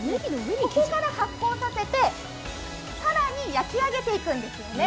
ここから発酵させて、更に焼き上げていくんですよね。